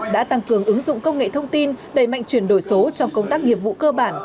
đã tăng cường ứng dụng công nghệ thông tin đẩy mạnh chuyển đổi số trong công tác nghiệp vụ cơ bản